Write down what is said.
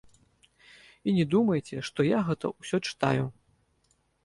І не думайце, што я гэта ўсё чытаю.